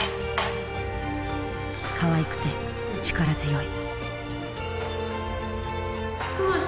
かわいくて力強い。